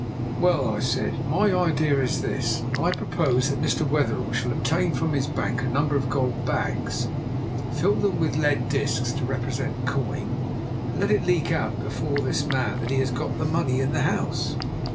"Well," I said, "my idea is this. I propose that Mr. Wetherell shall obtain from his bank a number of gold bags, fill them with lead discs to represent coin, and let it leak out before this man that he has got the money in the house.